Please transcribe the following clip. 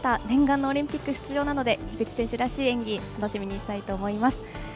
念願のオリンピック出場なので樋口選手らしい演技楽しみにしたいと思います。